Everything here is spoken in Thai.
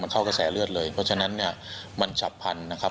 เข้ากระแสเลือดเลยเพราะฉะนั้นเนี่ยมันฉับพันธุ์นะครับ